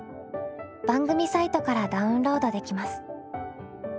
番組サイトからダウンロードできます。